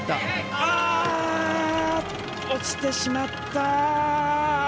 落ちてしまった。